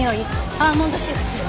アーモンド臭がする。